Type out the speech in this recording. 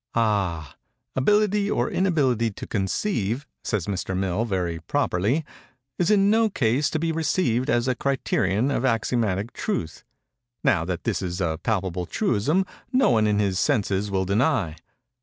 "Ah!—'Ability or inability to conceive,' says Mr. Mill very properly, 'is in no case to be received as a criterion of axiomatic truth.' Now, that this is a palpable truism no one in his senses will deny.